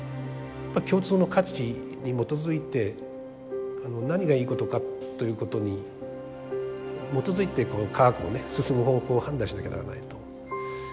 共通の価値に基づいて何がいいことかということに基づいて科学が進む方向を判断しなきゃならないと思う。